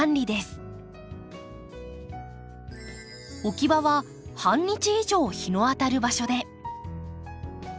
置き場は半日以上日の当たる場所で。